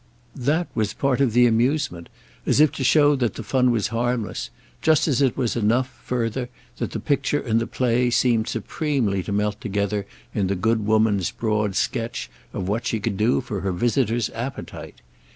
That was part of the amusement—as if to show that the fun was harmless; just as it was enough, further, that the picture and the play seemed supremely to melt together in the good woman's broad sketch of what she could do for her visitor's appetite.